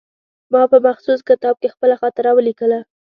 ما په مخصوص کتاب کې خپله خاطره ولیکله.